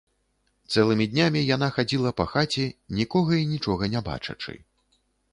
Цэлымі днямі яна хадзіла па хаце, нікога і нічога не бачачы.